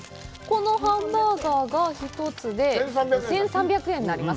このハンバーガーが１つで１３００円になります。